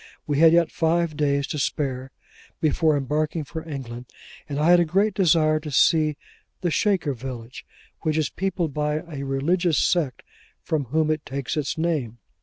We had yet five days to spare before embarking for England, and I had a great desire to see 'the Shaker Village,' which is peopled by a religious sect from whom it takes its name.